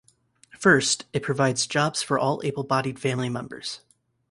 First, it provides jobs for all able-bodied family members.